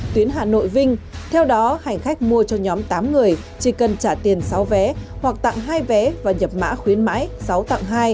tuyến hà nội vinh theo đó hành khách mua cho nhóm tám người chỉ cần trả tiền sáu vé hoặc tặng hai vé và nhập mã khuyến mãi sáu tặng hai